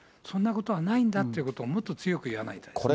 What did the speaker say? そんなことはないんだってことをもっと強く言わないとね。